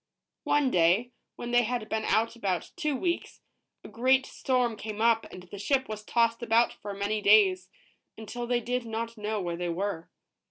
One day, when they had been out about two weeks, a great storm came up, and the ship was tossed about for many days, until they did not know where they were.